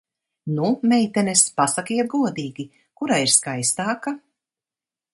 Nu, meitenes, pasakiet godīgi, kura ir skaistāka?